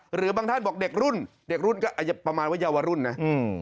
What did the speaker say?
หรือบางท่านบอกเด็กรุ่นเด็กรุ่นก็อาจจะประมาณว่าเยาวรุ่นนะอืม